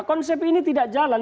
konsep ini tidak jalan